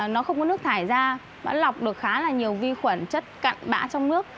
nó không có nước thải ra nó lọc được khá là nhiều vi khuẩn chất cặn bã trong nước